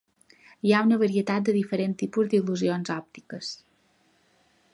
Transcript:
Hi ha una varietat de diferents tipus d'il·lusions òptiques.